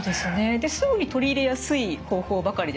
ですぐに取り入れやすい方法ばかりでしたね。